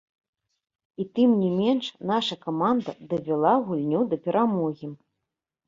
І тым не менш наша каманда давяла гульню да перамогі.